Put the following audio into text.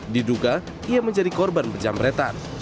diduga ia menjadi korban penjamretan